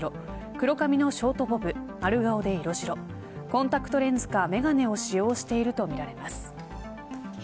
黒髪のショートボブ丸顔で色白コンタクトレンズか眼鏡を使用しているとみられます。